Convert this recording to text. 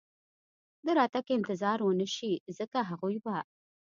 د راتګ انتظار و نه شي، ځکه هغوی به.